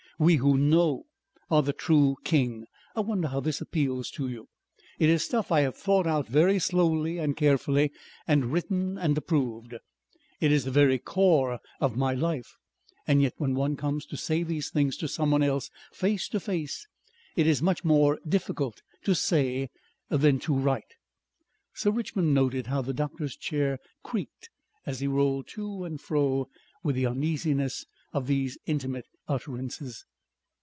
We who know, are the true king....I wonder how this appeals to you. It is stuff I have thought out very slowly and carefully and written and approved. It is the very core of my life.... And yet when one comes to say these things to someone else, face to face.... It is much more difficult to say than to write." Sir Richmond noted how the doctor's chair creaked as he rolled to and fro with the uneasiness of these intimate utterances.